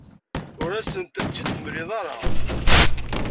Ur asent-tt-id-temliḍ ara.